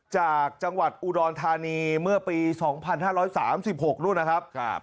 จากจังหวัดอุดรธานีเมื่อปี๒๕๓๖นู่นนะครับ